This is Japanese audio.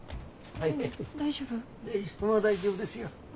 ああ大丈夫ですよ。